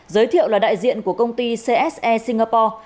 giới thiệu là đại diện của công ty cse singapore